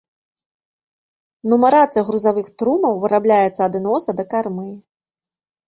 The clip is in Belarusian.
Нумарацыя грузавых трумаў вырабляецца ад носа да кармы.